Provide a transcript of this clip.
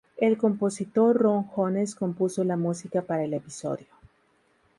El compositor Ron Jones compuso la música para el episodio.